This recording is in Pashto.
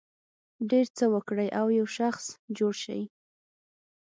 ډېر څه وکړي او یو ښه شخص جوړ شي.